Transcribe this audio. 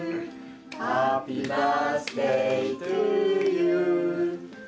「ハッピー・バースデー・トゥ・ユー」